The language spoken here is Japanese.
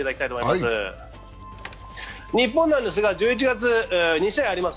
日本なんですが、１１月２試合あります。